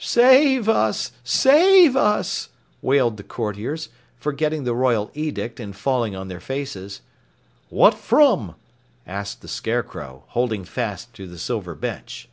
"Save us! Save us!" wailed the courtiers, forgetting the royal edict and falling on their faces. "What from?" asked the Scarecrow, holding fast to the silver bench.